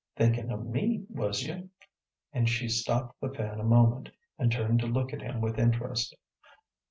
"Thinkin' o' me, was you?" and she stopped the fan a moment, and turned to look at him with interest.